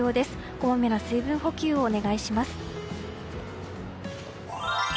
こまめな水分補給をお願いします。